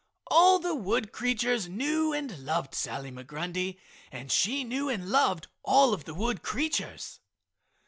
All the wood creatures knew and loved Sally Migrundy and she knew and loved all of the wood creatures.